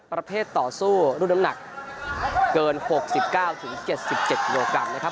ประเภทต่อสู้รุ่นน้ำหนักเกิน๖๙๗๗กิโลกรัมนะครับ